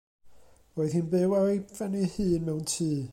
Roedd hi'n byw ar ei phen ei hun mewn tŷ.